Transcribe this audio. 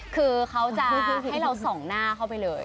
คือเขาจะให้เราส่องหน้าเข้าไปเลย